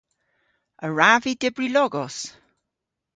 A wrav vy dybri logos?